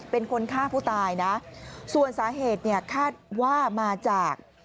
เป็นคนฆ่าผู้ตายนะส่วนสาเหตุเนี่ยคาดว่ามาจาก